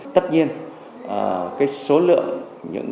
tất nhiên số lượng những